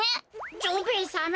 蝶兵衛さま